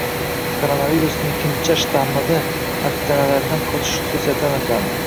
Koronavirusning «hindcha» shtammida antitanalardan qochish xususiyati aniqlandi